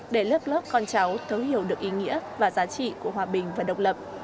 để lớp lớp con cháu thấu hiểu được ý nghĩa và giá trị của hòa bình và độc lập